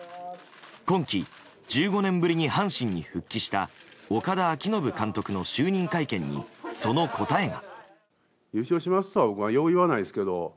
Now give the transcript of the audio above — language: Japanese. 今季、１５年ぶりに阪神に復帰した岡田彰布監督の就任会見にその答えが。